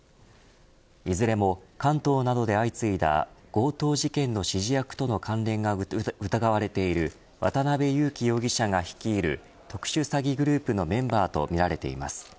いずれも関東などで相次いだ強盗事件の指示役との関連が疑われている渡辺優樹容疑者が率いる特殊詐欺グループのメンバーとみられています。